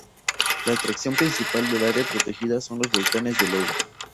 La atracción principal del área protegida son los volcanes de lodo.